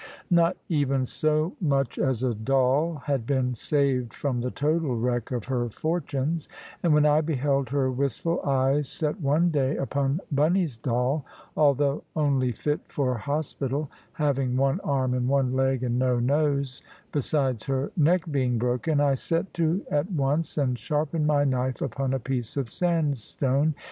Not even so much as a doll had been saved from the total wreck of her fortunes; and when I beheld her wistful eyes set one day upon Bunny's doll although only fit for hospital, having one arm and one leg and no nose, besides her neck being broken I set to at once and sharpened my knife upon a piece of sandstone.